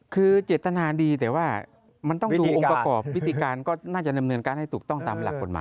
คือเจตนาดีแต่ว่ามันต้องดูองค์ประกอบวิธีการก็น่าจะดำเนินการให้ถูกต้องตามหลักกฎหมาย